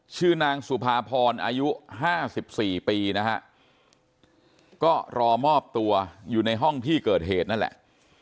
ชื่อนางสุภาพรอายุ๕๔ปีนะฮะก็รอมอบตัวอยู่ในห้องที่เกิดเหตุนั่นแหละ